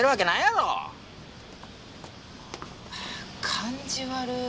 感じ悪っ。